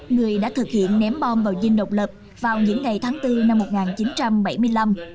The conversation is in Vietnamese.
người đã thực hiện ném bom vào dinh độc lập vào những ngày tháng bốn năm một nghìn chín trăm bảy mươi năm